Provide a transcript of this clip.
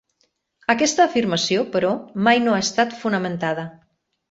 Aquesta afirmació, però, mai no ha estat fonamentada.